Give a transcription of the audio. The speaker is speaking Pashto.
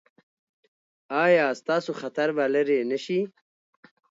ایا ستاسو خطر به لرې نه شي؟